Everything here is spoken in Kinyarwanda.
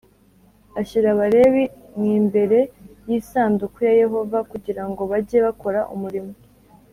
Ashyira abalewi m imbere y isanduku ya yehova kugira ngo bajye bakora umurimo